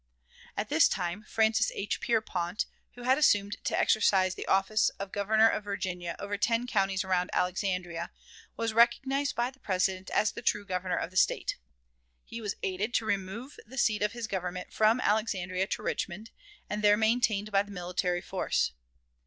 At this time Francis H. Pierpont, who had assumed to exercise the office of Governor of Virginia over ten counties around Alexandria, was recognized by the President as the true Governor of the State. He was aided to remove the seat of his government from Alexandria to Richmond, and there maintained by the military force.